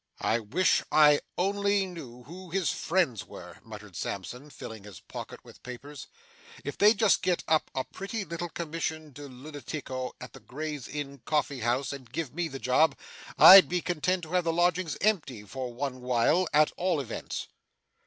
'I wish I only knew who his friends were,' muttered Sampson, filling his pocket with papers; 'if they'd just get up a pretty little Commission de lunatico at the Gray's Inn Coffee House and give me the job, I'd be content to have the lodgings empty for one while, at all events.